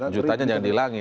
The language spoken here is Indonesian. jutanya jangan dihilangin